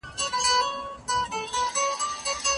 ما تېره اونۍ ډېر ښه کتاب مطالعه کړ.